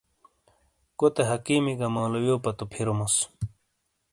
کوتے حَکیمی گہ مولویو پَتو پھِیروموس۔